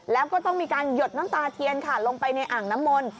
แล้วก็ต้องมีการหยดน้ำตาเทียนค่ะลงไปในอ่างน้ำมนต์